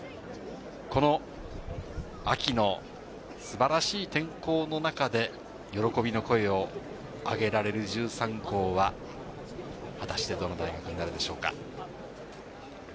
この秋の素晴らしい天候の中で喜びの声を挙げられる１３校は果たしてどの大学になるでしょうか？